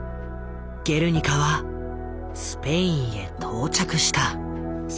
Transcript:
「ゲルニカ」はスペインへ到着した。